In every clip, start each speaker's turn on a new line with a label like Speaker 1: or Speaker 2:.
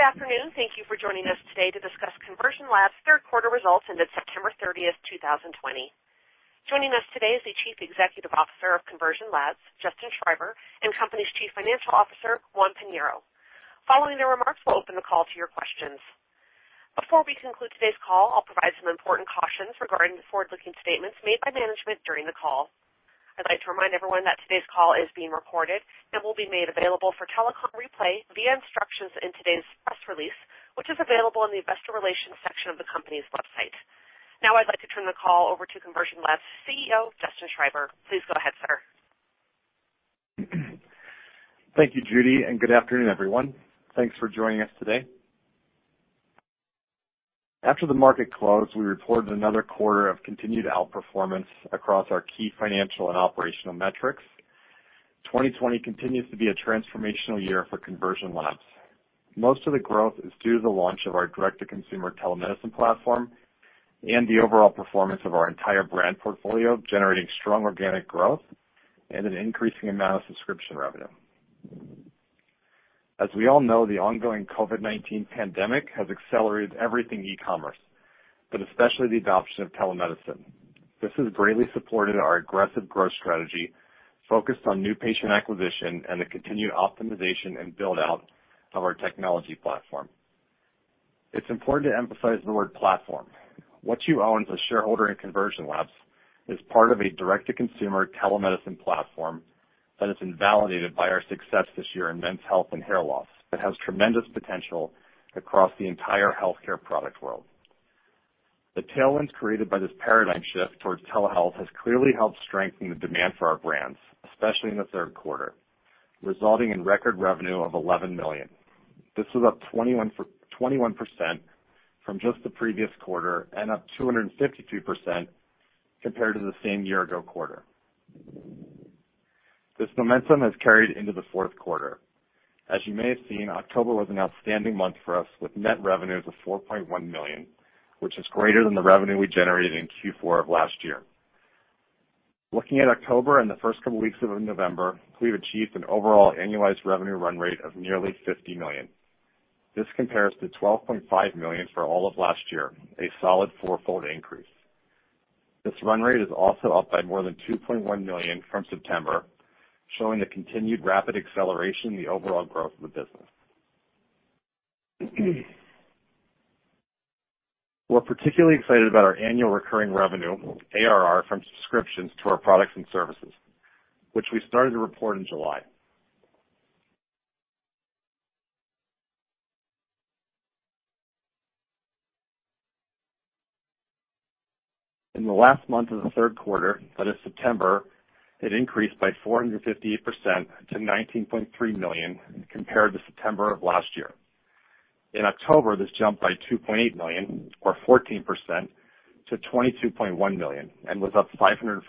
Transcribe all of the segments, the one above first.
Speaker 1: Good afternoon! Thank you for joining us today to discuss Conversion Labs' Third Quarter Results ended September 30th, 2020. Joining us today is the Chief Executive Officer of Conversion Labs, Justin Schreiber, and the company's Chief Financial Officer, Juan Pinheiro. Following their remarks, we'll open the call to your questions. Before we conclude today's call, I'll provide some important cautions regarding the forward-looking statements made by management during the call. I'd like to remind everyone that today's call is being recorded and will be made available for telecom replay via instructions in today's press release, which is available in the Investor Relations section of the company's website. Now, I'd like to turn the call over to Conversion Labs' CEO, Justin Schreiber. Please go ahead, sir.
Speaker 2: Thank you, Judy, and good afternoon, everyone. Thanks for joining us today. After the market closed, we reported another quarter of continued outperformance across our key financial and operational metrics. 2020 continues to be a transformational year for Conversion Labs. Most of the growth is due to the launch of our direct-to-consumer telemedicine platform and the overall performance of our entire brand portfolio, generating strong organic growth and an increasing amount of subscription revenue. As we all know, the ongoing COVID-19 pandemic has accelerated everything e-commerce, but especially the adoption of telemedicine. This has greatly supported our aggressive growth strategy, focused on new patient acquisition and the continued optimization and build-out of our technology platform. It's important to emphasize the word platform. What you own as a shareholder in Conversion Labs is part of a direct-to-consumer telemedicine platform that has been validated by our success this year in men's health and hair loss, but has tremendous potential across the entire healthcare product world. The tailwinds created by this paradigm shift towards telehealth has clearly helped strengthen the demand for our brands, especially in the third quarter, resulting in record revenue of $11 million. This is up 21% from just the previous quarter and up 252% compared to the same year ago quarter. This momentum has carried into the fourth quarter. As you may have seen, October was an outstanding month for us, with net revenues of $4.1 million, which is greater than the revenue we generated in Q4 of last year. Looking at October and the first couple weeks of November, we've achieved an overall annualized revenue run rate of nearly $50 million. This compares to $12.5 million for all of last year, a solid fourfold increase. This run rate is also up by more than $2.1 million from September, showing a continued rapid acceleration in the overall growth of the business. We're particularly excited about our annual recurring revenue, ARR, from subscriptions to our products and services, which we started to report in July. In the last month of the third quarter, that is September, it increased by 458% to $19.3 million compared to September of last year. In October, this jumped by $2.8 million, or 14%, to $22.1 million, and was up 514%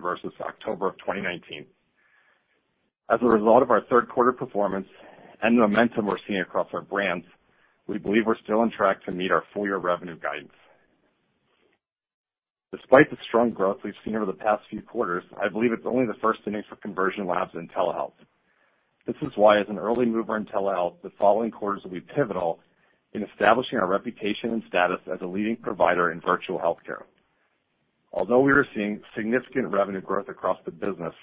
Speaker 2: versus October of 2019. As a result of our third quarter performance and the momentum we're seeing across our brands, we believe we're still on track to meet our full year revenue guidance. Despite the strong growth we've seen over the past few quarters, I believe it's only the first innings for Conversion Labs and telehealth. This is why, as an early mover in telehealth, the following quarters will be pivotal in establishing our reputation and status as a leading provider in virtual healthcare. Although we are seeing significant revenue growth across the business,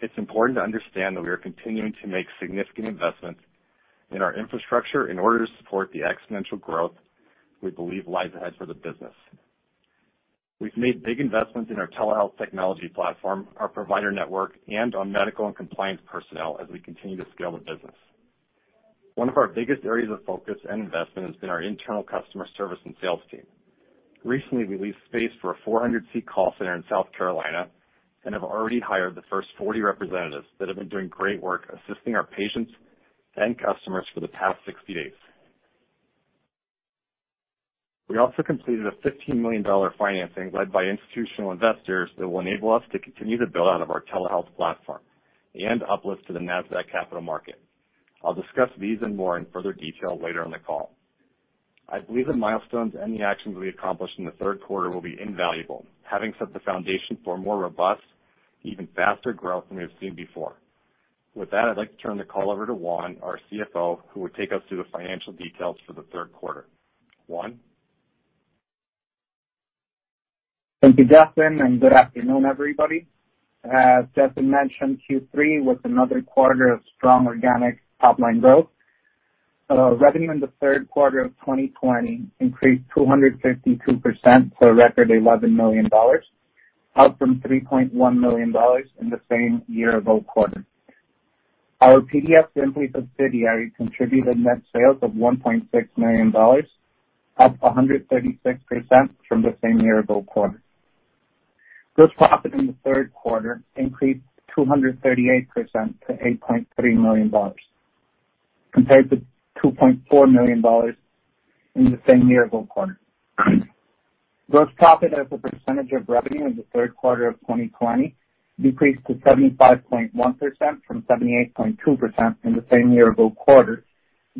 Speaker 2: it's important to understand that we are continuing to make significant investments in our infrastructure in order to support the exponential growth we believe lies ahead for the business. We've made big investments in our telehealth technology platform, our provider network, and on medical and compliance personnel as we continue to scale the business. One of our biggest areas of focus and investment has been our internal customer service and sales team. Recently, we leased space for a 400-seat call center in South Carolina and have already hired the first 40 representatives that have been doing great work assisting our patients and customers for the past 60 days. We also completed a $15 million financing led by institutional investors that will enable us to continue to build out our telehealth platform and uplist to the Nasdaq Capital Market. I'll discuss these and more in further detail later in the call. I believe the milestones and the actions we accomplished in the third quarter will be invaluable, having set the foundation for more robust, even faster growth than we have seen before. With that, I'd like to turn the call over to Juan, our CFO, who will take us through the financial details for the third quarter. Juan?
Speaker 3: Thank you, Justin, and good afternoon, everybody. As Justin mentioned, Q3 was another quarter of strong organic top-line growth. Revenue in the third quarter of 2020 increased 252% to a record $11 million, up from $3.1 million in the same year-ago quarter. Our PDFSimpli subsidiary contributed net sales of $1.6 million, up 136% from the same year-ago quarter. Gross profit in the third quarter increased 238% to $8.3 million, compared to $2.4 million in the same year-ago quarter. Gross profit as a percentage of revenue in the third quarter of 2020 decreased to 75.1% from 78.2% in the same year-ago quarter,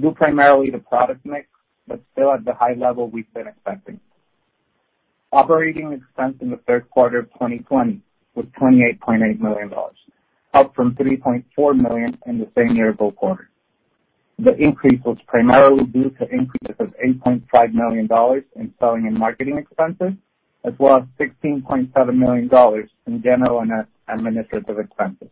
Speaker 3: due primarily to product mix, but still at the high level we've been expecting. Operating expense in the third quarter of 2020 was $28.8 million, up from $3.4 million in the same year-ago quarter. The increase was primarily due to increases of $8.5 million in selling and marketing expenses, as well as $16.7 million in general and administrative expenses.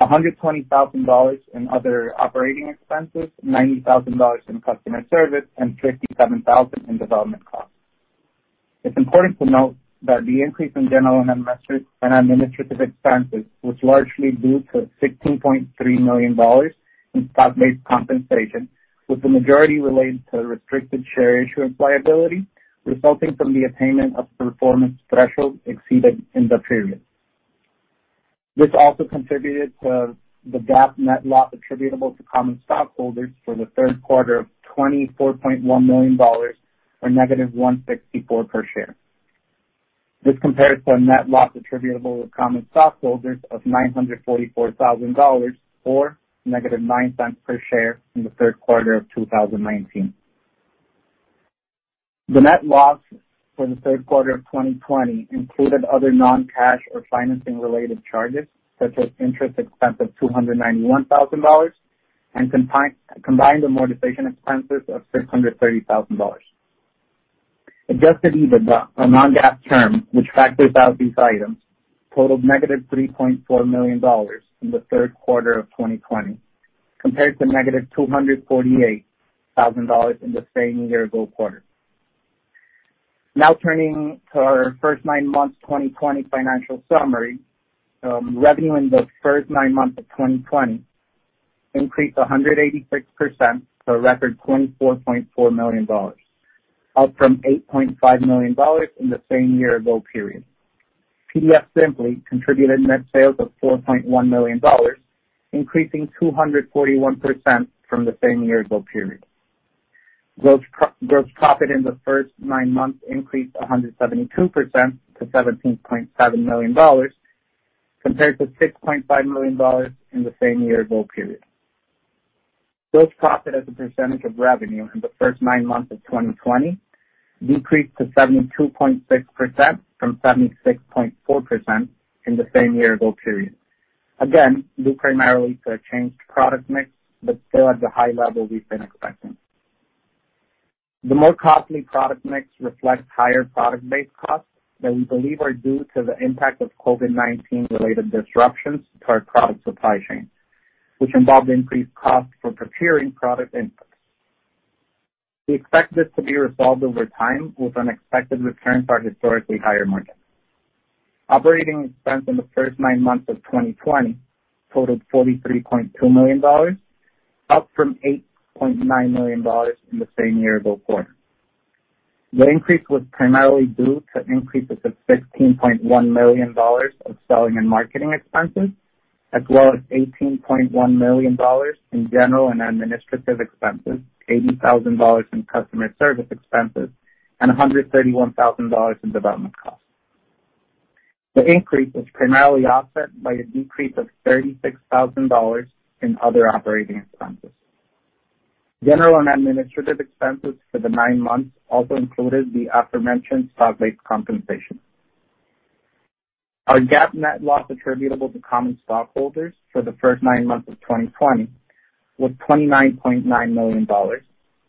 Speaker 3: $120,000 in other operating expenses, $90,000 in customer service, and $57,000 in development costs. It's important to note that the increase in general and administrative, and administrative expenses was largely due to $16.3 million in stock-based compensation, with the majority related to restricted share issue and liability, resulting from the attainment of performance thresholds exceeded in the period. This also contributed to the GAAP net loss attributable to common stockholders for the third quarter of $24.1 million, or negative $1.64 per share. This compares to a net loss attributable to common stockholders of $944,000, or negative $0.09 per share in the third quarter of 2019. The net loss for the third quarter of 2020 included other non-cash or financing-related charges, such as interest expense of $291,000, and combined with amortization expenses of $630,000. Adjusted EBITDA, a non-GAAP term, which factors out these items, totaled negative $3.4 million in the third quarter of 2020, compared to negative $248,000 in the same year ago quarter. Now turning to our first nine months 2020 financial summary. Revenue in the first nine months of 2020 increased 186% to a record $24.4 million, up from $8.5 million in the same year ago period. PDFSimpli contributed net sales of $4.1 million, increasing 241% from the same year ago period. Gross profit in the first nine months increased 172% to $17.7 million, compared to $6.5 million in the same year ago period. Gross profit as a percentage of revenue in the first nine months of 2020 decreased to 72.6% from 76.4% in the same year ago period. Again, due primarily to a changed product mix, but still at the high level we've been expecting. The more costly product mix reflects higher product-based costs that we believe are due to the impact of COVID-19 related disruptions to our product supply chain, which involved increased costs for procuring product inputs. We expect this to be resolved over time with an expected return to our historically higher margins. Operating expense in the first nine months of 2020 totaled $43.2 million, up from $8.9 million in the same year ago quarter. The increase was primarily due to increases of $15.1 million of selling and marketing expenses, as well as $18.1 million in general and administrative expenses, $80,000 in customer service expenses, and $131,000 in development costs. The increase was primarily offset by a decrease of $36,000 in other operating expenses. General and administrative expenses for the nine months also included the aforementioned stock-based compensation. Our GAAP net loss attributable to common stockholders for the first nine months of 2020 was $29.9 million,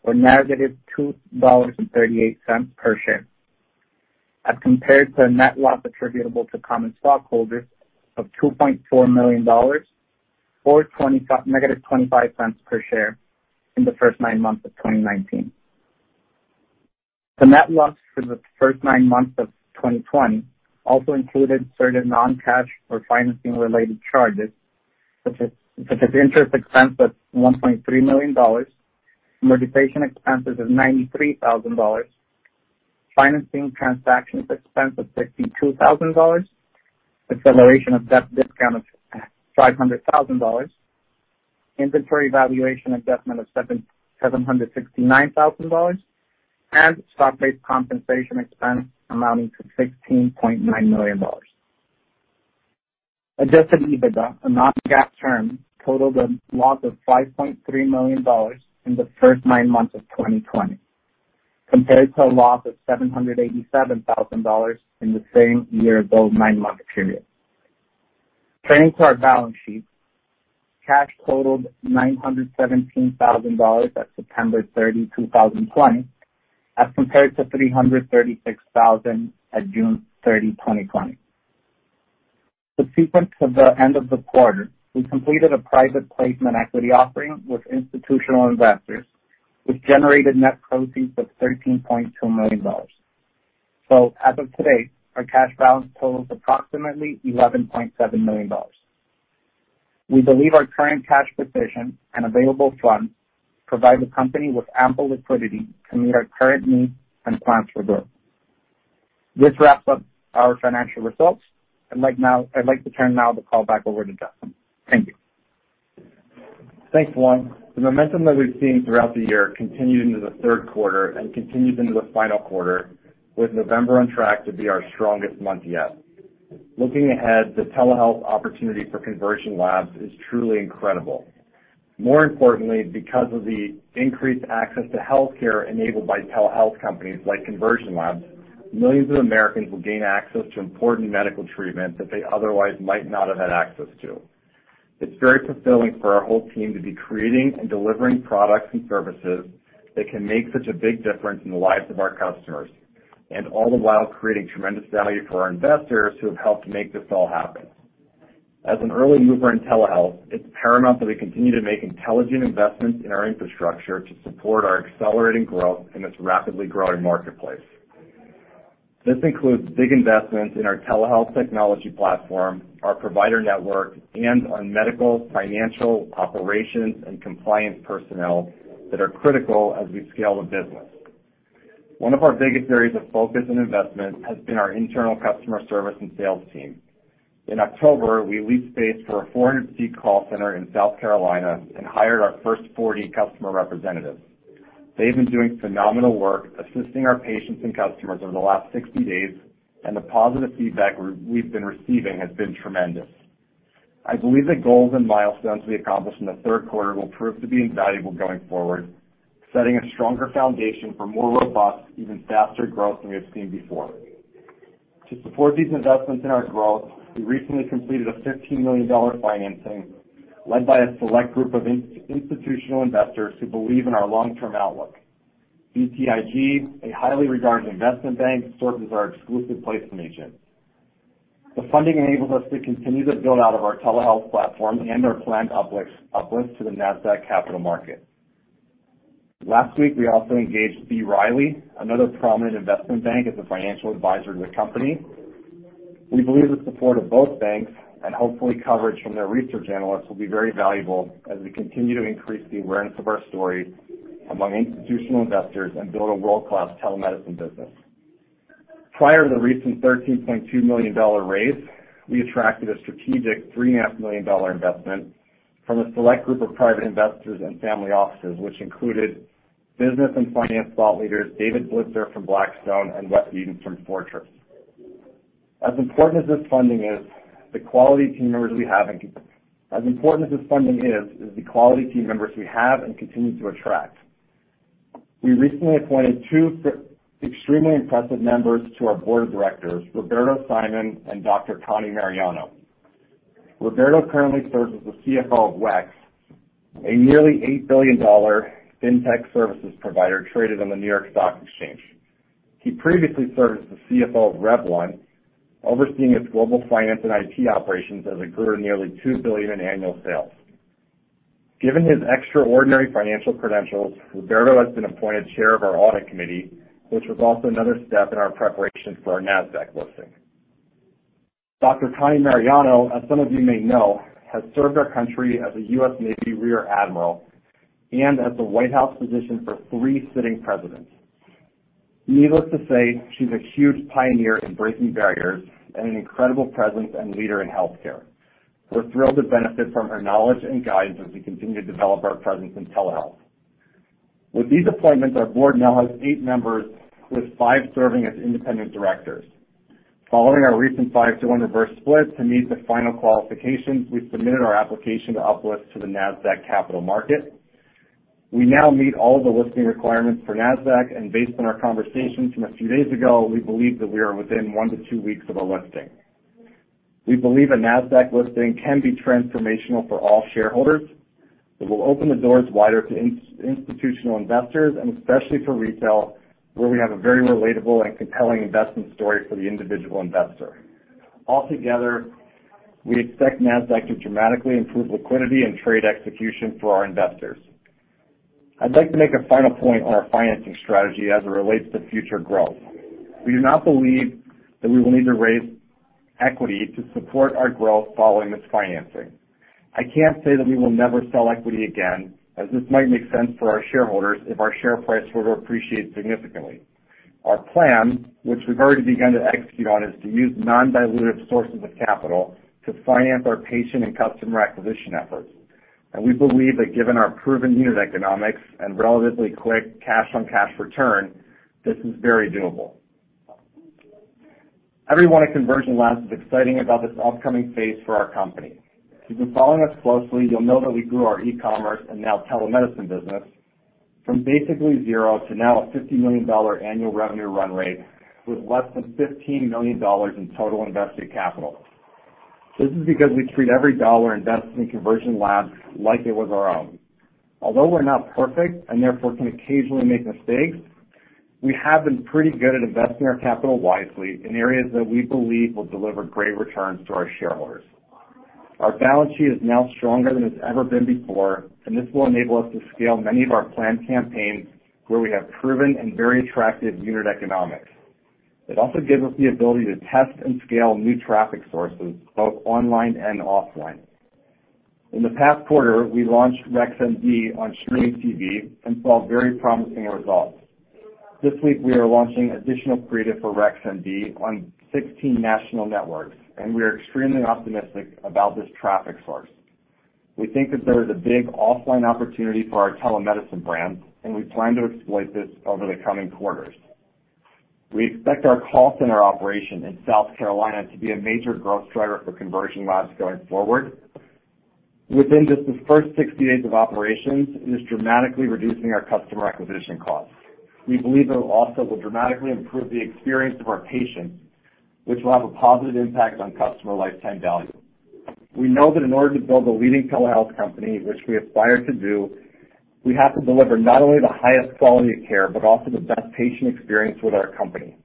Speaker 3: or negative $2.38 per share, as compared to a net loss attributable to common stockholders of $2.4 million, or negative $0.25 per share in the first nine months of 2019. The net loss for the first nine months of 2020 also included certain non-cash or financing-related charges, such as interest expense of $1.3 million, amortization expenses of $93,000, financing transactions expense of $52,000, acceleration of debt discount of $500,000, inventory valuation adjustment of $769,000, and stock-based compensation expense amounting to $16.9 million. Adjusted EBITDA, a non-GAAP term, totaled a loss of $5.3 million in the first nine months of 2020, compared to a loss of $787,000 in the same year-ago nine-month period. Turning to our balance sheet, cash totaled $917,000 at September 30, 2020, as compared to $336,000 at June 30, 2020. Subsequent to the end of the quarter, we completed a private placement equity offering with institutional investors, which generated net proceeds of $13.2 million. So as of today, our cash balance totals approximately $11.7 million. We believe our current cash position and available funds provide the company with ample liquidity to meet our current needs and plans for growth. This wraps up our financial results. I'd like now - I'd like to turn now the call back over to Justin. Thank you.
Speaker 2: Thanks, Juan. The momentum that we've seen throughout the year continued into the third quarter and continues into the final quarter, with November on track to be our strongest month yet.... Looking ahead, the telehealth opportunity for Conversion Labs is truly incredible. More importantly, because of the increased access to healthcare enabled by telehealth companies like Conversion Labs, millions of Americans will gain access to important medical treatment that they otherwise might not have had access to. It's very fulfilling for our whole team to be creating and delivering products and services that can make such a big difference in the lives of our customers, and all the while creating tremendous value for our investors who have helped make this all happen. As an early mover in telehealth, it's paramount that we continue to make intelligent investments in our infrastructure to support our accelerating growth in this rapidly growing marketplace. This includes big investments in our telehealth technology platform, our provider network, and on medical, financial, operations, and compliance personnel that are critical as we scale the business. One of our biggest areas of focus and investment has been our internal customer service and sales team. In October, we leased space for a 400-seat call center in South Carolina and hired our first 40 customer representatives. They've been doing phenomenal work assisting our patients and customers over the last 60 days, and the positive feedback we've been receiving has been tremendous. I believe the goals and milestones we accomplished in the third quarter will prove to be invaluable going forward, setting a stronger foundation for more robust, even faster growth than we have seen before. To support these investments in our growth, we recently completed a $15 million financing led by a select group of institutional investors who believe in our long-term outlook. BTIG, a highly regarded investment bank, serves as our exclusive placement agent. The funding enables us to continue the build-out of our telehealth platform and our planned uplisting to the Nasdaq Capital Market. Last week, we also engaged B. Riley, another prominent investment bank, as a financial advisor to the company. We believe the support of both banks and hopefully coverage from their research analysts will be very valuable as we continue to increase the awareness of our story among institutional investors and build a world-class telemedicine business. Prior to the recent $13.2 million raise, we attracted a strategic $3.5 million investment from a select group of private investors and family offices, which included business and finance thought leaders David Blitzer from Blackstone and Wes Edens from Fortress. As important as this funding is, the quality team members we have and continue to attract. We recently appointed two extremely impressive members to our board of directors, Roberto Simon and Dr. Connie Mariano. Roberto currently serves as the CFO of WEX, a nearly $8 billion fintech services provider traded on the New York Stock Exchange. He previously served as the CFO of Revlon, overseeing its global finance and IT operations as it grew to nearly $2 billion in annual sales. Given his extraordinary financial credentials, Roberto has been appointed chair of our audit committee, which was also another step in our preparation for our Nasdaq listing. Dr. Connie Mariano, as some of you may know, has served our country as a U.S. Navy Rear Admiral and as the White House physician for three sitting presidents. Needless to say, she's a huge pioneer in breaking barriers and an incredible presence and leader in healthcare. We're thrilled to benefit from her knowledge and guidance as we continue to develop our presence in telehealth. With these appointments, our board now has eight members, with five serving as independent directors. Following our recent five-to-one reverse split, to meet the final qualifications, we've submitted our application to uplist to the Nasdaq Capital Market. We now meet all the listing requirements for Nasdaq, and based on our conversations from a few days ago, we believe that we are within one to two weeks of a listing. We believe a Nasdaq listing can be transformational for all shareholders. It will open the doors wider to institutional investors and especially for retail, where we have a very relatable and compelling investment story for the individual investor. Altogether, we expect Nasdaq to dramatically improve liquidity and trade execution for our investors. I'd like to make a final point on our financing strategy as it relates to future growth. We do not believe that we will need to raise equity to support our growth following this financing. I can't say that we will never sell equity again, as this might make sense for our shareholders if our share price were to appreciate significantly. Our plan, which we've already begun to execute on, is to use non-dilutive sources of capital to finance our patient and customer acquisition efforts, and we believe that given our proven unit economics and relatively quick cash-on-cash return, this is very doable. Everyone at Conversion Labs is excited about this upcoming phase for our company. If you've been following us closely, you'll know that we grew our e-commerce and now telemedicine business from basically zero to now a $50 million annual revenue run rate, with less than $15 million in total invested capital. This is because we treat every dollar invested in Conversion Labs like it was our own. Although we're not perfect and therefore can occasionally make mistakes, we have been pretty good at investing our capital wisely in areas that we believe will deliver great returns to our shareholders. Our balance sheet is now stronger than it's ever been before, and this will enable us to scale many of our planned campaigns where we have proven and very attractive unit economics. It also gives us the ability to test and scale new traffic sources, both online and offline. In the past quarter, we launched Rex MD on streaming TV and saw very promising results. This week, we are launching additional creative for Rex MD on 16 national networks, and we are extremely optimistic about this traffic source. We think that there is a big offline opportunity for our telemedicine brand, and we plan to exploit this over the coming quarters. We expect our call center operation in South Carolina to be a major growth driver for Conversion Labs going forward. Within just the first 60 days of operations, it is dramatically reducing our customer acquisition costs. We believe it also will dramatically improve the experience of our patients, which will have a positive impact on customer lifetime value. We know that in order to build a leading telehealth company, which we aspire to do, we have to deliver not only the highest quality of care, but also the best patient experience with our company,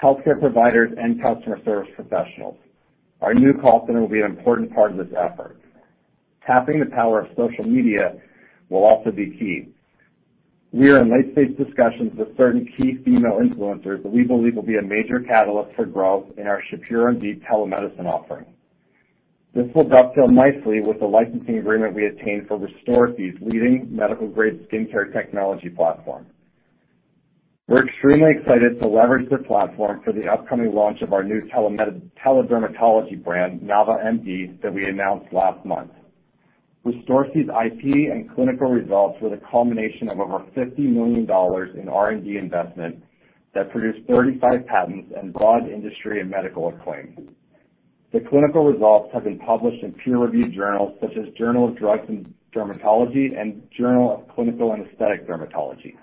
Speaker 2: healthcare providers, and customer service professionals. Our new call center will be an important part of this effort. Tapping the power of social media will also be key. We are in late-stage discussions with certain key female influencers that we believe will be a major catalyst for growth in our Shapiro MD telemedicine offering. This will dovetail nicely with the licensing agreement we obtained for Restorsea's leading medical-grade skincare technology platform. We're extremely excited to leverage their platform for the upcoming launch of our new Teledermatology brand, Nava MD, that we announced last month. Restorsea's IP and clinical results were the culmination of over $50 million in R&D investment that produced 35 patents and broad industry and medical acclaim. The clinical results have been published in peer-reviewed journals such as Journal of Drugs in Dermatology and Journal of Clinical and Aesthetic Dermatology.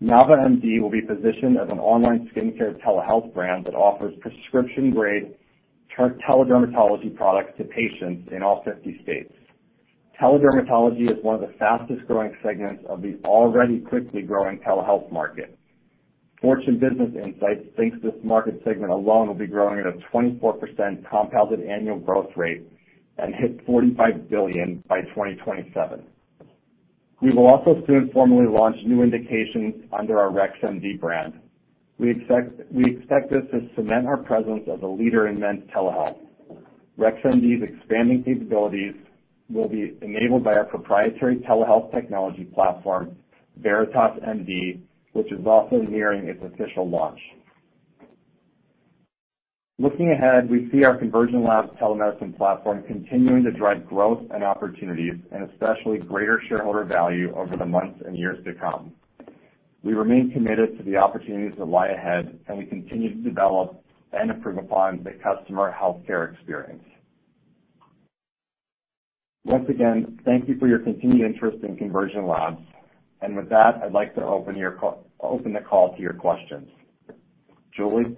Speaker 2: Nava MD will be positioned as an online skincare telehealth brand that offers prescription-grade teledermatology products to patients in all 50 states. Teledermatology is one of the fastest growing segments of the already quickly growing telehealth market. Fortune Business Insights thinks this market segment alone will be growing at a 24% compounded annual growth rate and hit $45 billion by 2027. We will also soon formally launch new indications under our Rex MD brand. We expect this to cement our presence as a leader in men's telehealth. Rex MD's expanding capabilities will be enabled by our proprietary telehealth technology platform, Veritas MD, which is also nearing its official launch. Looking ahead, we see our Conversion Labs telemedicine platform continuing to drive growth and opportunities, and especially greater shareholder value over the months and years to come. We remain committed to the opportunities that lie ahead, and we continue to develop and improve upon the customer healthcare experience. Once again, thank you for your continued interest in Conversion Labs. And with that, I'd like to open the call to your questions. Judy?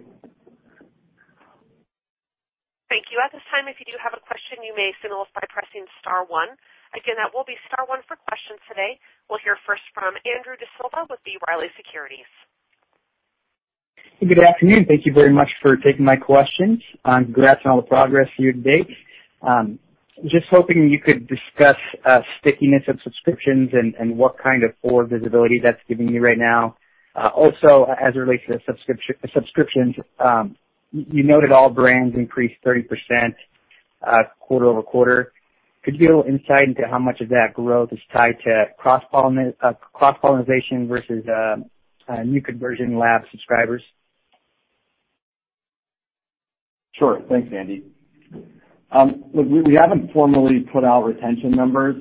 Speaker 1: Thank you. At this time, if you do have a question, you may signal us by pressing star one. Again, that will be star one for questions today. We'll hear first from Andrew D'Silva with B. Riley Securities.
Speaker 4: Good afternoon. Thank you very much for taking my questions. Congrats on all the progress year to date. Just hoping you could discuss stickiness of subscriptions and what kind of forward visibility that's giving you right now. Also, as it relates to the subscriptions, you noted all brands increased 30%, quarter-over-quarter. Could you give a little insight into how much of that growth is tied to cross-pollination versus new Conversion Labs subscribers?
Speaker 2: Sure. Thanks, Andy. Look, we haven't formally put out retention numbers,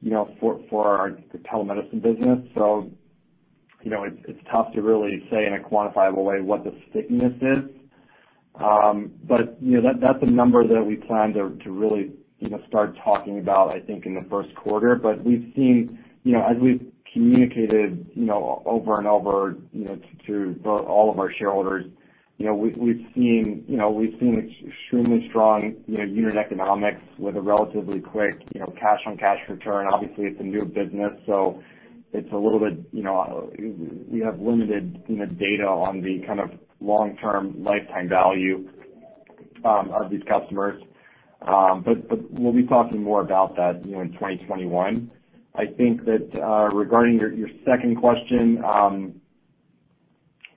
Speaker 2: you know, for our telemedicine business. So, you know, it's tough to really say in a quantifiable way what the stickiness is. But, you know, that's a number that we plan to really, you know, start talking about, I think, in the first quarter. But we've seen, you know, as we've communicated, you know, over and over, you know, to all of our shareholders, you know, we've seen extremely strong, you know, unit economics with a relatively quick, you know, cash-on-cash return. Obviously, it's a new business, so it's a little bit, you know, we have limited, you know, data on the kind of long-term lifetime value of these customers. But we'll be talking more about that, you know, in twenty twenty-one. I think that regarding your second question,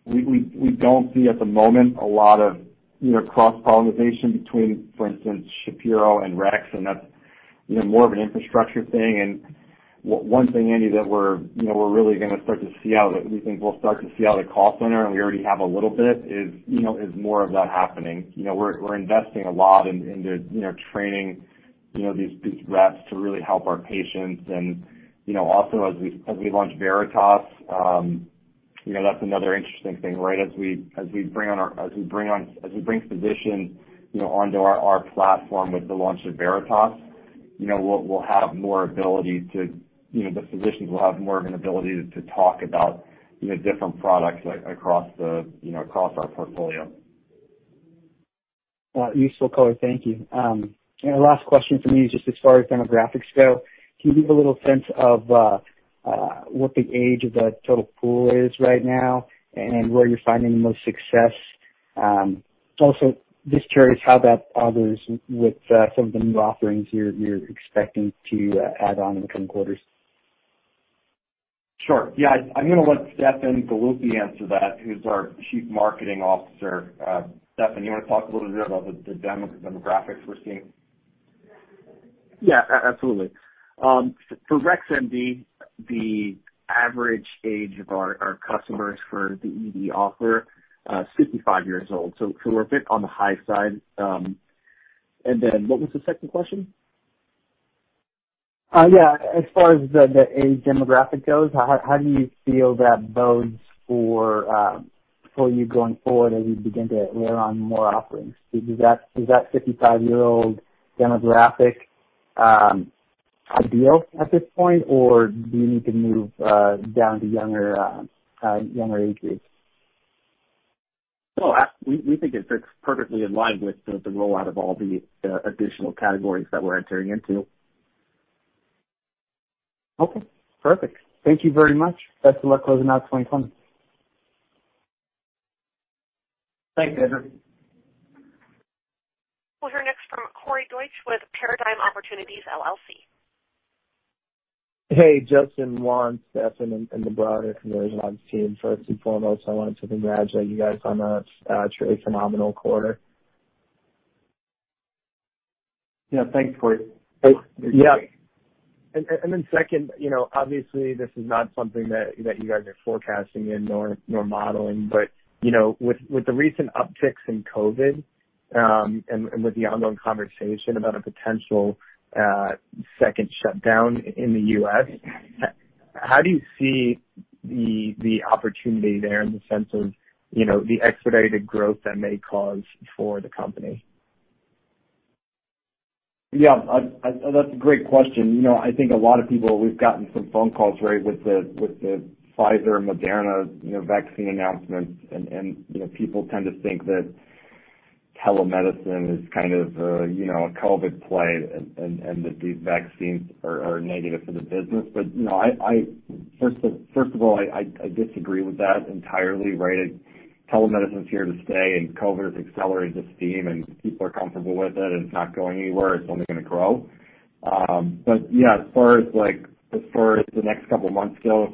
Speaker 2: we don't see at the moment a lot of, you know, cross-pollination between, for instance, Shapiro and Rex, and that's, you know, more of an infrastructure thing. And one thing, Andy, that we're, you know, really gonna start to see how we think we'll start to see out of the call center, and we already have a little bit, is more of that happening. You know, we're investing a lot in the, you know, training these reps to really help our patients. And, you know, also, as we launch Veritas, you know, that's another interesting thing, right? As we bring on physicians, you know, onto our platform with the launch of Veritas, you know, we'll have more ability to, you know, the physicians will have more of an ability to talk about, you know, different products across our portfolio.
Speaker 4: Useful color. Thank you. And the last question for me is just as far as demographics go, can you give a little sense of what the age of the total pool is right now and where you're finding the most success? Also, just curious how that overlaps with some of the new offerings you're expecting to add on in the coming quarters.
Speaker 2: Sure. Yeah, I'm gonna let Stefan Galluppi answer that, who's our Chief Marketing Officer. Stefan, you wanna talk a little bit about the demo- the demographics we're seeing?
Speaker 5: Yeah, absolutely. For Rex MD, the average age of our customers for the ED offer is 65 years old, so we're a bit on the high side. And then what was the second question?...
Speaker 4: Yeah, as far as the age demographic goes, how do you feel that bodes for you going forward as you begin to layer on more offerings? Is that fifty-five-year-old demographic ideal at this point, or do you need to move younger age groups?
Speaker 5: No, we think it fits perfectly in line with the rollout of all the additional categories that we're entering into.
Speaker 4: Okay, perfect. Thank you very much. Best of luck closing out 2020.
Speaker 2: Thanks, Andrew.
Speaker 1: We'll hear next from Corey Deutsch with Paradigm Opportunities LLC.
Speaker 6: Hey, Justin, Juan, Stefan, and the broader Conversion Labs team. First and foremost, I wanted to congratulate you guys on a truly phenomenal quarter.
Speaker 2: Yeah, thanks, Corey.
Speaker 6: Yeah. And then second, you know, obviously this is not something that you guys are forecasting in, nor modeling, but, you know, with the recent upticks in COVID, and with the ongoing conversation about a potential second shutdown in the US, how do you see the opportunity there in the sense of, you know, the expedited growth that may cause for the company?
Speaker 2: Yeah, that's a great question. You know, I think a lot of people, we've gotten some phone calls, right, with the Pfizer, Moderna, you know, vaccine announcements, and, you know, people tend to think that telemedicine is kind of a, you know, a COVID play and that these vaccines are negative for the business. But, you know, I, first of all, I disagree with that entirely, right? Telemedicine's here to stay, and COVID has accelerated the stream, and people are comfortable with it, and it's not going anywhere. It's only gonna grow. But yeah, as far as the next couple months go,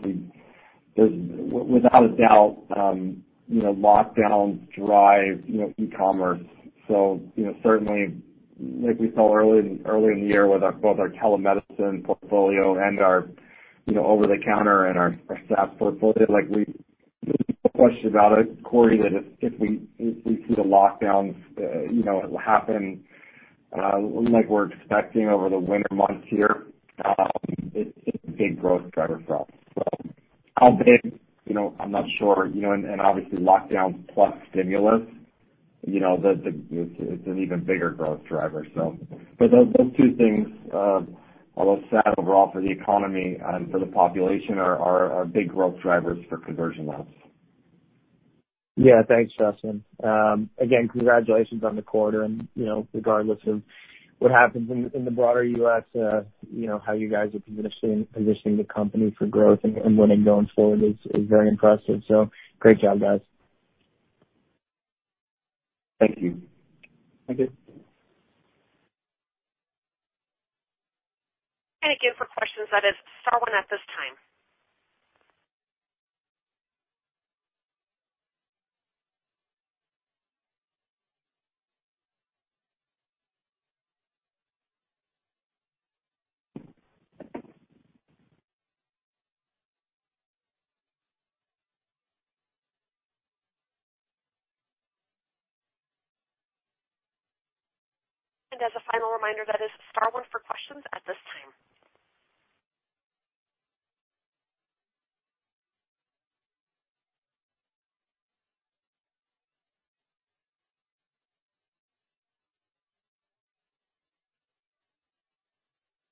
Speaker 2: there's without a doubt, you know, lockdowns drive, you know, e-commerce. So, you know, certainly, like we saw early, earlier in the year with both our telemedicine portfolio and our, you know, over-the-counter and our SaaS portfolio, like we, no question about it, Corey, that if we see the lockdowns, you know, happen like we're expecting over the winter months here, it's a big growth driver for us. So how big? You know, I'm not sure. You know, and obviously lockdowns plus stimulus, you know, then it's an even bigger growth driver. So, but those two things, although sad overall for the economy and for the population, are big growth drivers for Conversion Labs.
Speaker 6: Yeah. Thanks, Justin. Again, congratulations on the quarter, and, you know, regardless of what happens in the broader U.S., you know, how you guys are positioning the company for growth and winning going forward is very impressive, so great job, guys.
Speaker 2: Thank you. Thank you.
Speaker 1: Thank you for questions. That is all we have at this time, and as a final reminder, that is star one for questions at this time.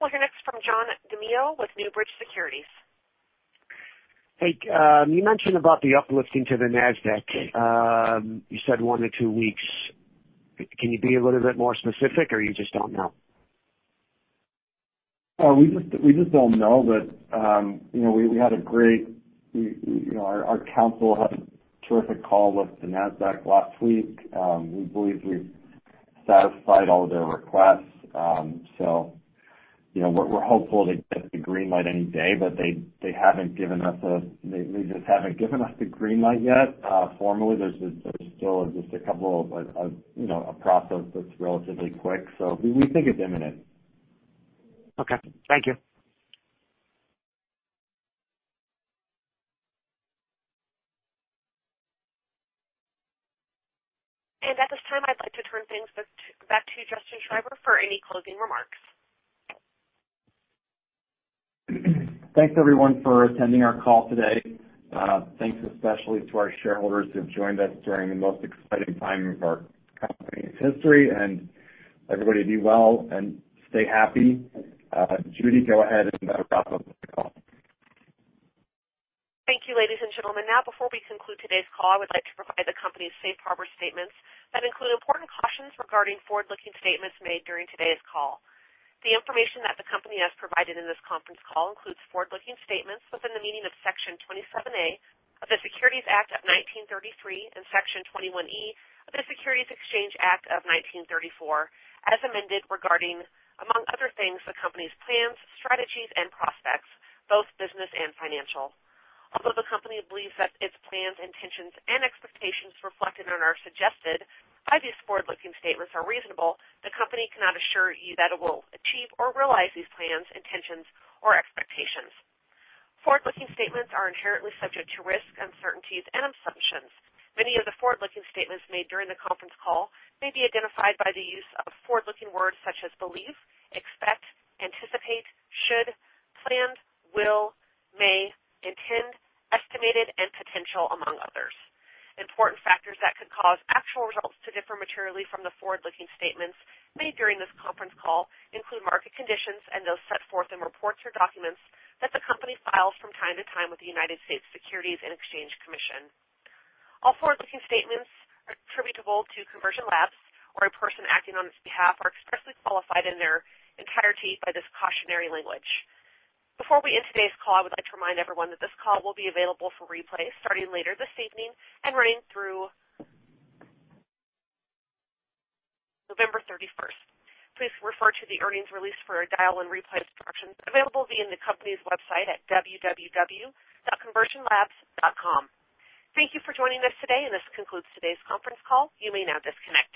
Speaker 1: We'll hear next from John DeMeo with Newbridge Securities.
Speaker 7: Hey, you mentioned about the uplisting to the Nasdaq. You said one to two weeks. Can you be a little bit more specific, or you just don't know?
Speaker 2: We just don't know, but you know, we had a great, you know, our counsel had a terrific call with the Nasdaq last week. We believe we've satisfied all their requests, so you know, we're hopeful to get the green light any day, but they haven't given us a... They just haven't given us the green light yet, formally, there's still just a couple of you know a process that's relatively quick, so we think it's imminent.
Speaker 7: Okay. Thank you.
Speaker 1: At this time, I'd like to turn things back to Justin Schreiber for any closing remarks.
Speaker 2: Thanks, everyone, for attending our call today. Thanks especially to our shareholders who have joined us during the most exciting time of our company's history. And everybody be well and stay happy. Judy, go ahead and wrap up the call.
Speaker 1: Thank you, ladies and gentlemen. Now, before we conclude today's call, I would like to provide the company's safe harbor statements that include important cautions regarding forward-looking statements made during today's call. The information that the company has provided in this conference call includes forward-looking statements within the meaning of Section 27A of the Securities Act of 1933 and Section 21E of the Securities Exchange Act of 1934, as amended, regarding, among other things, the company's plans, strategies, and prospects, both business and financial. Although the company believes that its plans, intentions, and expectations reflected on or suggested by these forward-looking statements are reasonable, the company cannot assure you that it will achieve or realize these plans, intentions, or expectations. Forward-looking statements are inherently subject to risks, uncertainties, and assumptions. Many of the forward-looking statements made during the conference call may be identified by the use of forward-looking words such as believe, expect, anticipate, should, plan, will, may, intend, estimated, and potential, among others. Important factors that could cause actual results to differ materially from the forward-looking statements made during this conference call include market conditions and those set forth in reports or documents that the company files from time to time with the United States Securities and Exchange Commission. All forward-looking statements attributable to Conversion Labs or a person acting on its behalf are expressly qualified in their entirety by this cautionary language. Before we end today's call, I would like to remind everyone that this call will be available for replay starting later this evening and running through November 31st. Please refer to the earnings release for our dial-in replay instructions available via the company's website at www.conversionlabs.com. Thank you for joining us today, and this concludes today's conference call. You may now disconnect.